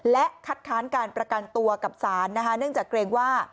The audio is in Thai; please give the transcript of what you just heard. และคัดค้านการประกันตัวกับศาลนะคะเนื่องจากเกรงว่า